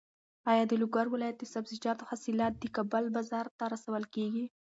ایا د لوګر ولایت د سبزیجاتو حاصلات د کابل بازار ته رسول کېږي؟